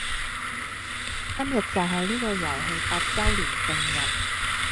今日就係呢個遊戲八周年正日